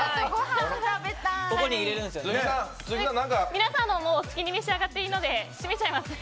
皆さんはお好きに召し上がっていいので締めちゃいますね。